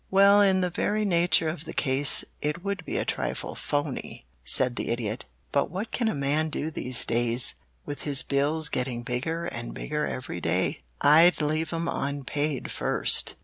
"Well, in the very nature of the case it would be a trifle 'phoney'," said the Idiot, "but what can a man do these days, with his bills getting bigger and bigger every day?" "I'd leave 'em unpaid first!"